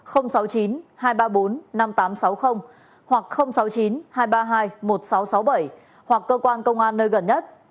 hoặc sáu mươi chín hai trăm ba mươi hai một nghìn sáu trăm sáu mươi bảy hoặc cơ quan công an nơi gần nhất